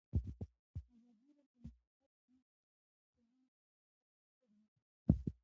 ازادي راډیو د د مخابراتو پرمختګ په اړه د پوهانو څېړنې تشریح کړې.